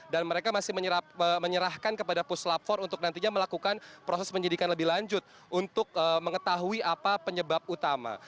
dan mereka masih menyerahkan kepada puslapfor untuk nantinya melakukan proses penyelidikan lebih lanjut untuk mengetahui apa penyebab utama